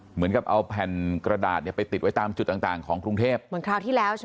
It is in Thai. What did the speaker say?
เหมือนกับเอาแผ่นกระดาษเนี่ยไปติดไว้ตามจุดต่างต่างของกรุงเทพเหมือนคราวที่แล้วใช่ไหม